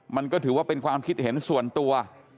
มันก็ถือว่าเป็นความคิดเห็นส่วนตัว